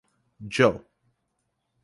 Joh.